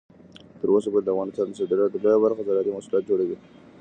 تر اوسه پورې د افغانستان د صادراتو لویه برخه زراعتي محصولات جوړوي.